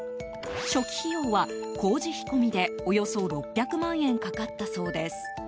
初期費用は工事費込みでおよそ６００万円かかったそうです。